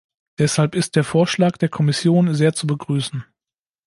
Deshalb ist der Vorschlag der Kommission sehr zu begrüßen.